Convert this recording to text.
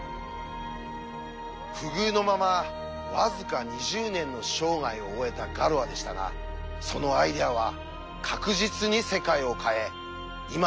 不遇のまま僅か２０年の生涯を終えたガロアでしたがそのアイデアは確実に世界を変え今も生きている。